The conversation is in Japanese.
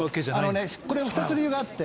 これ２つ理由があって。